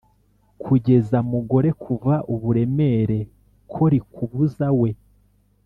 kugeza mugore kuva uburemere ko rikubuza we